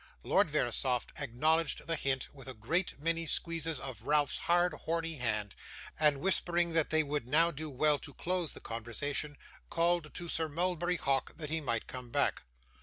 Lord Verisopht acknowledged the hint with a great many squeezes of Ralph's hard, horny hand, and whispering that they would now do well to close the conversation, called to Sir Mulberry Hawk that he might come back.